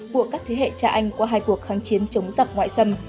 của các thế hệ cha anh qua hai cuộc kháng chiến chống dập ngoại sân